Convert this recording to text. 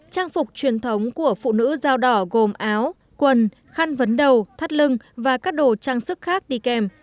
trang phục truyền thống của phụ nữ dao đỏ gồm áo quần khăn vấn đầu thắt lưng và các đồ trang sức khác đi kèm